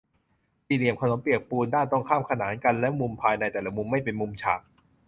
สี่เหลี่ยมขนมเปียกปูน ด้านตรงข้ามขนานกัน และมุมภายในแต่ละมุมไม่เป็นมุมฉาก